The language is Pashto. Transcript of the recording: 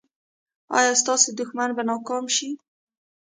ایا ستاسو دښمن به ناکام شي؟